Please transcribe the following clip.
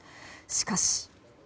しかし。